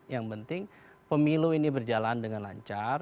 yang penting pemilu ini berjalan dengan lancar